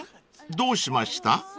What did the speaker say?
どうしました？］